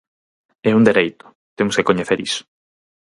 É un dereito, temos que coñecer iso.